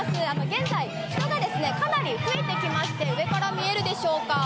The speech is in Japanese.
現在、がかなり増えてきまして、上から見えるでしょうか。